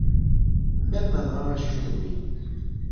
مید نہ ن٘ا شورے گوے اِن